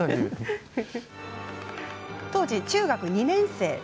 当時、中学２年生。